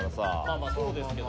まあそうですけど。